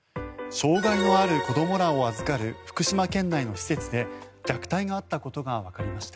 障害のある子どもらを預かる福島県内の施設で虐待があったことがわかりました。